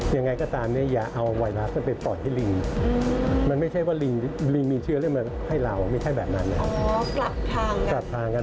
อย่างไรก็ตามอย่าเอาไวรัสไปปล่อยให้ลิง